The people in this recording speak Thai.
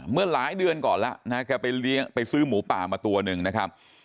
เมื่อหลายเดือนก่อนแล้วนะแกไปเลี้ยงไปซื้อหมูป่ามาตัวหนึ่งนะครับ